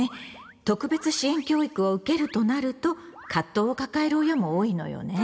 「特別支援教育を受ける」となると葛藤を抱える親も多いのよね。